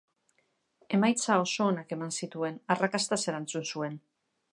Emaitza oso onak eman zituen, arrakastaz erantzun zuen.